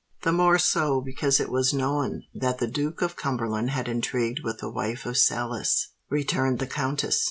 "The more so, because it was known that the Duke of Cumberland had intrigued with the wife of Sellis," returned the countess.